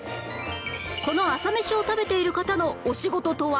この朝メシを食べている方のお仕事とは？